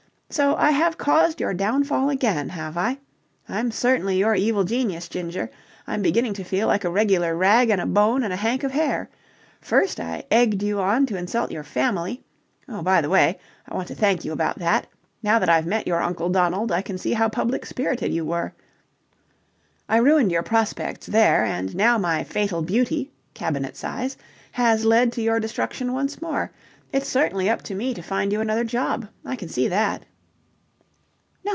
So I have caused your downfall again, have I? I'm certainly your evil genius, Ginger. I'm beginning to feel like a regular rag and a bone and a hank of hair. First I egged you on to insult your family oh, by the way, I want to thank you about that. Now that I've met your Uncle Donald I can see how public spirited you were. I ruined your prospects there, and now my fatal beauty cabinet size has led to your destruction once more. It's certainly up to me to find you another job, I can see that."